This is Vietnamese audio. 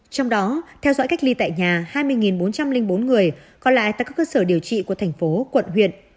trong đó theo dõi cách ly tại nhà hai mươi bốn trăm linh bốn người còn lại tại các cơ sở điều trị của thành phố quận huyện